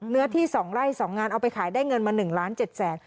เนื้อที่๒ไร่๒งานเอาไปขายได้เงินมา๑ล้าน๗แสน